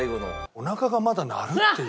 おなかがまだ鳴るっていう。